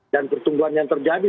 dan pertumbuhan yang terjadi